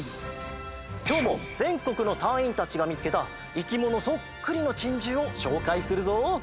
きょうもぜんこくの隊員たちがみつけたいきものそっくりのチンジューをしょうかいするぞ！